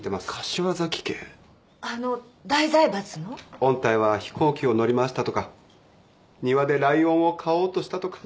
御大は飛行機を乗り回したとか庭でライオンを飼おうとしたとか。